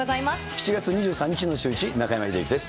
７月２３日のシューイチ、中山秀征です。